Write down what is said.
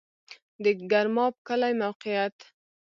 د ګرماب کلی موقعیت